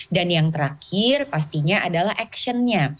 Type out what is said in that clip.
dan yang terakhir pastinya adalah actionnya